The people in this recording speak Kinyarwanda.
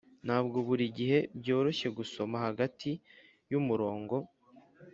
ntabwo buri gihe byoroshye gusoma hagati yumurongo.